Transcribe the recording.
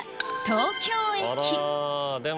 東京駅。